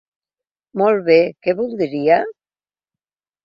Molt be, què voldria?